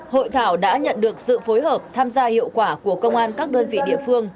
hội thảo đã nhận được sự phối hợp tham gia hiệu quả của công an các đơn vị địa phương